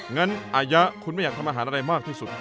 งั้นอายะคุณไม่อยากทำอาหารอะไรมากที่สุด